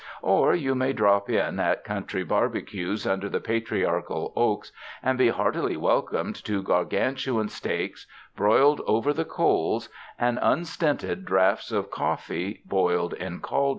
Or you may drop in at country barbe cues under the patriarchal oaks and be heartily wel come to Gargantuan steaks broiled over the coals and unstinted draughts of coffee boiled in cauldrons.